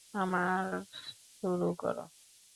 আমার শুরু করো।